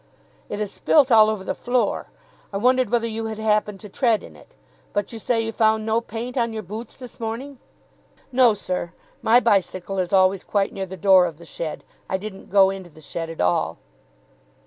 "It is spilt all over the floor. I wondered whether you had happened to tread in it. But you say you found no paint on your boots this morning?" "No, sir, my bicycle is always quite near the door of the shed. I didn't go into the shed at all."